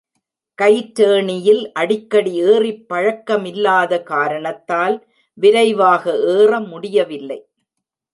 கயிற்றேணியில் அடிக்கடி ஏறிப் பழக்கமில்லாத காரணத்தால் விரைவாக ஏற முடியவில்லை.